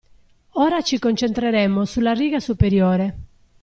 Ora ci concetreremo sulla riga superiore.